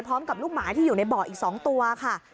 พร้อมกับลูกหมาที่อยู่ในบ่ออีก๒ตัวค่ะ